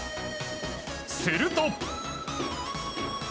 すると。